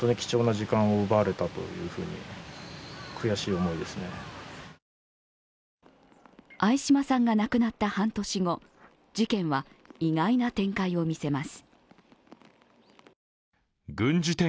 遺族は相嶋さんが亡くなった半年後、事件は意外な展開を見せます。